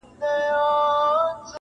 يو ځل راته وخانده اشنا مې کړه